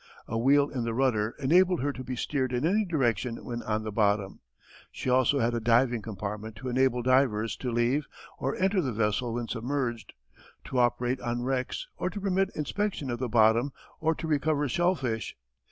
A wheel in the rudder enabled her to be steered in any direction when on the bottom. She also had a diving compartment to enable divers to leave or enter the vessel when submerged, to operate on wrecks or to permit inspection of the bottom or to recover shellfish.